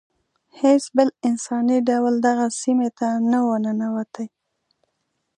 هیڅ بل انساني ډول دغه سیمې ته نه و ننوتی.